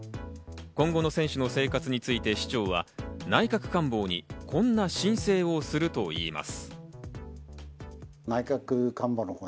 今後の選手の生活について市長は、内閣官房にこんな申請をするといいます。